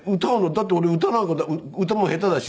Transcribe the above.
「だって俺歌なんか歌うの下手だし」。